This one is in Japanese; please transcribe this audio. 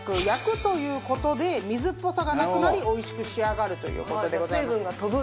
焼くという事で水っぽさがなくなりおいしく仕上がるという事でございます。